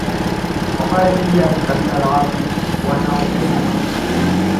Wapare pia ni kabila la watu wanaopenda haki